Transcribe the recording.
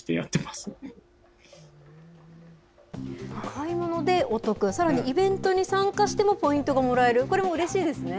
買い物でお得、さらにイベントに参加しても、ポイントがもらえる、これもうれしいですね。